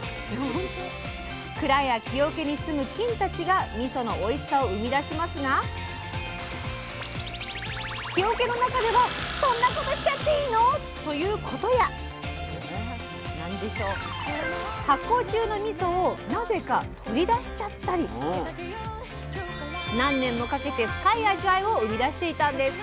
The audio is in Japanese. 蔵や木おけに住む菌たちがみそのおいしさを生み出しますが木おけの中ではそんなことしちゃっていいの？ということや発酵中のみそをなぜか取り出しちゃったり⁉何年もかけて深い味わいを生み出していたんです。